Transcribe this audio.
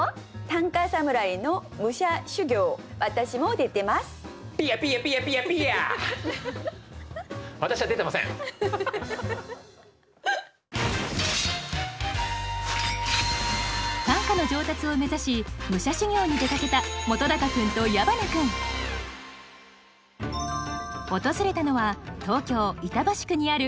短歌の上達を目指し武者修行に出かけた本君と矢花君訪れたのは東京・板橋区にある植物館